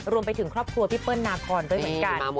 รวมไปถึงครอบครัวพี่เปิ้ลนาคอนด้วยเหมือนกัน